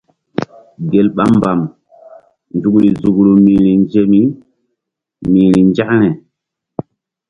Gel ɓa mbam nzukri nzukru mi̧hri nzemi mi̧hri nzȩkre.